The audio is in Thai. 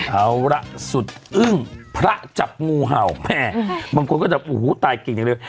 เอาละสุดอึ้งพระจับงูเห่าแม่บางคนก็จะโอ้โหตายเก่งอย่างเดียว